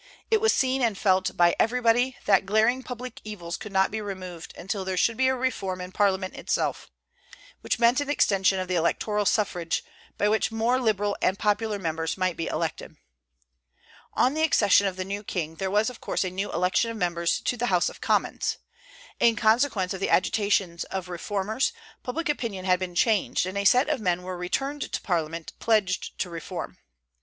It was seen and felt by everybody that glaring public evils could not be removed until there should be a reform in Parliament itself, which meant an extension of the electoral suffrage, by which more liberal and popular members might be elected. On the accession of the new king, there was of course a new election of members to the House of Commons. In consequence of the agitations of reformers, public opinion had been changed, and a set of men were returned to Parliament pledged to reform.